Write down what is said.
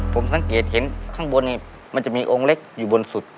ผมสังเกตเห็นข้างบนนี้มันจะมีองค์เล็กอยู่บนสุด